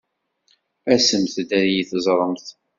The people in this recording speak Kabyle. Asemt-d ad iyi-teẓṛemt.